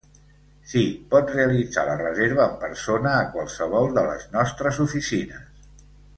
Sí, pot realitzar la reserva en persona a qualsevol de les nostres oficines.